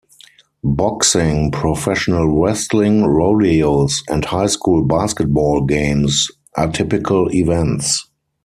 Boxing, professional wrestling, rodeos, and high school basketball games are typical events.